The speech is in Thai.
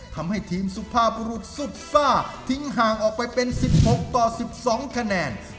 ทำให้ทีมสุภาพบุรุษสุดซ่าทิ้งห่างออกไปเป็น๑๖ต่อ๑๒คะแนน